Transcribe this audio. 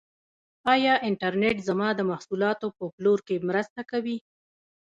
آیا انټرنیټ زما د محصولاتو په پلور کې مرسته کوي؟